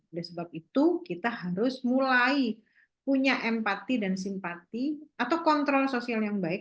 oleh sebab itu kita harus mulai punya empati dan simpati atau kontrol sosial yang baik